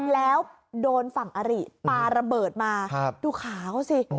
แล้วโดนฝั่งอริปาระเบิดมาดูขาเขาสิ